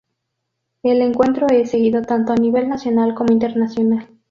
El encuentro es seguido tanto a nivel nacional, como internacional.